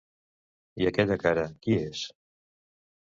I aquella cara, qui és?